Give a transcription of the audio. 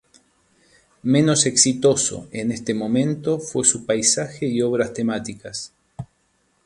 Menos exitoso en este momento fue su paisaje y obras temáticas.